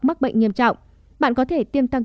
mắc bệnh nghiêm trọng bạn có thể tiêm tăng